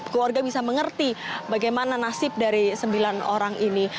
keluarga bisa mengerti bagaimana nasib dari sembilan orang ini